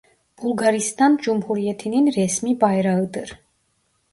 Bulgaristan Cumhuriyeti'nin resmî bayrağıdır.